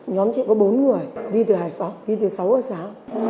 nhóm chị có bốn người đi từ hải phòng đi từ sáu ở sáu